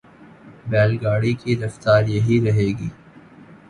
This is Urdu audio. بیل گاڑی کی رفتار یہی رہے گی۔